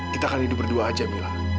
kita akan hidup berdua aja mila